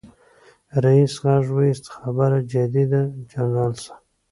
ريس غږ واېست خبره جدي ده جنرال صيب.